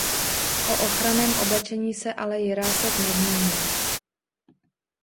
O ochranném oblečení se ale Jirásek nezmiňuje.